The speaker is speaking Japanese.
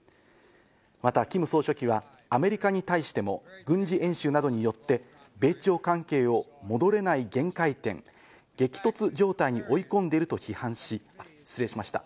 また、キム総書記はアメリカに対しても軍事演習などによって米朝関係を、戻れない限界点、激突状態に追い込んでいると批判し、失礼しました。